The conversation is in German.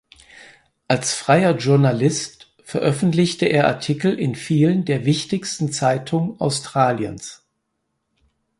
Als freier Journalist veröffentlichte er Artikel in vielen der wichtigsten Zeitungen Australiens.